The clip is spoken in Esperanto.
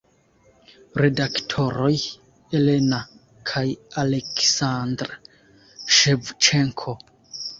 Redaktoroj: Elena kaj Aleksandr Ŝevĉenko.